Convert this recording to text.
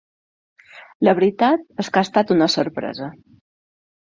La veritat és que ha estat una sorpresa.